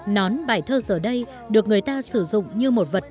nón bài thơ giờ đây được người ta sử dụng như một vật